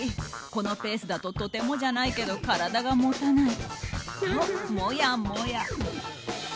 このペースだととてもじゃないけど体がもたないと、もやもや。